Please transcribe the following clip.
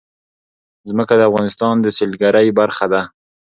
ځمکه د افغانستان د سیلګرۍ برخه ده.